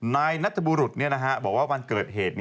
นายนัสสุวัสดิ์บอกว่าวันเกิดเหตุ